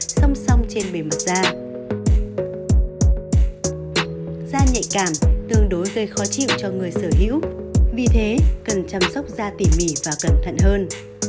da nhạy cảm tương đối gây khó chịu cho người sở hữu vì thế cần chăm sóc da tỉ mỉ và cẩn thận hơn